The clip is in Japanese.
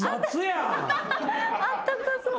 あったかそう。